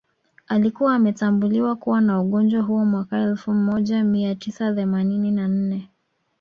Alikuwa ametambuliwa kuwa na ugonjwa huo mwaka elfu moja mia tisa themanini na nne